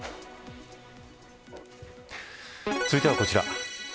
続いてはこちら。